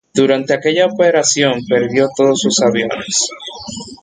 Durante aquella operación perdió todo sus aviones.